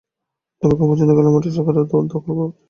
তবে এখন পর্যন্ত খেলার মাঠ সরকারের দখলে রয়েছে বলে মন্তব্য করেন তিনি।